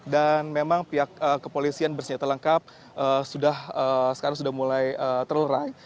dan memang pihak kepolisian bersenjata lengkap sekarang sudah mulai terlerai